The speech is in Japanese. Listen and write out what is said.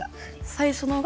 最初のが？